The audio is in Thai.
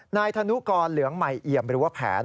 นายธนูกรเหลืองมายเหยียมหรือว่าแผน